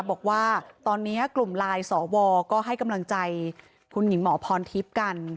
บอกว่าตอนนี้กลุ่มไลน์สวก็ให้กำลังใจคุณหญิงหมอพรทิพย์กัน